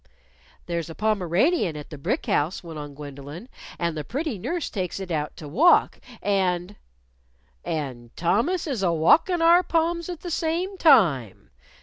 "There's a Pomeranian at the brick house," went on Gwendolyn, "and the pretty nurse takes it out to walk. And " "And Thomas is a walkin' our Poms at the same time."